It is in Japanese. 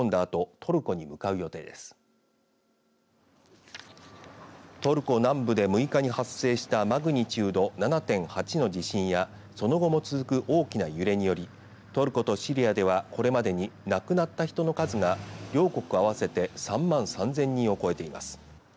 トルコ南部で６日に発生したマグニチュード７．８の地震やその後も続く大きな揺れによりトルコとシリアではこれまでに亡くなった人の数が両国合わせて３万３０００人を超えています。